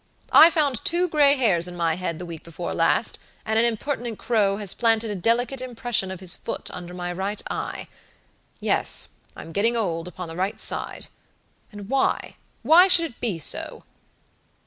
I found two gray hairs in my head the week before last, and an impertinent crow has planted a delicate impression of his foot under my right eye. Yes, I'm getting old upon the right side; and whywhy should it be so?"